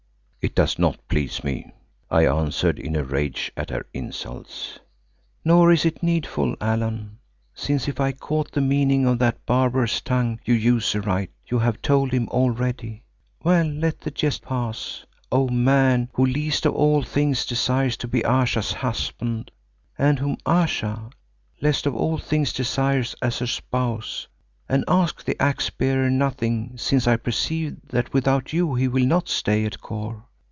"It does not please me," I answered in a rage at her insults. "Nor is it needful, Allan, since if I caught the meaning of that barbarous tongue you use aright, you have told him already. Well, let the jest pass, O man who least of all things desires to be Ayesha's husband, and whom Ayesha least of all things desires as her spouse, and ask the Axe bearer nothing since I perceive that without you he will not stay at Kôr.